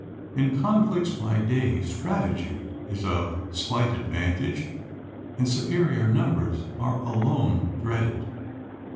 In conflicts by day, strategy is of slight advantage, and superior numbers are alone dreaded.